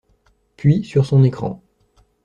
Puis sur son écran.